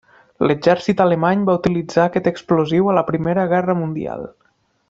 L'exèrcit alemany va utilitzar aquest explosiu a la Primera Guerra Mundial.